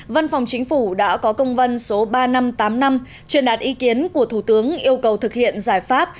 văn phòng chính phủ đã có công văn số ba nghìn năm trăm tám mươi năm truyền đạt ý kiến của thủ tướng yêu cầu thực hiện giải pháp